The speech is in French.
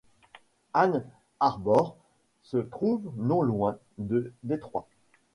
Ann Arbor se trouve non loin de Détroit.